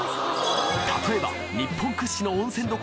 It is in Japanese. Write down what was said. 例えば日本屈指の温泉処